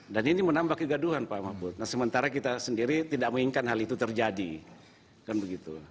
dan ini menambah kegaduhan pak mahfud sementara kita sendiri tidak menginginkan hal itu terjadi